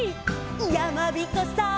「やまびこさん」